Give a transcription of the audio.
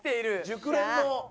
熟練の。